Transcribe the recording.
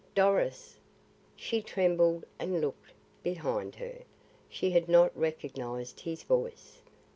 "Doris?" She trembled and looked behind her. She had not recognised his voice.